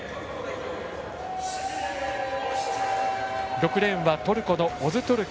６レーンはトルコのオズトォルク。